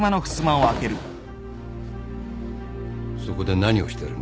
そこで何をしてるんだ？